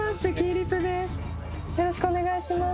よろしくお願いします。